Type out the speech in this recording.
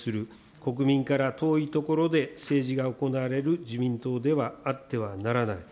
国民から遠い所で政治が行われる自民党ではあってはならない。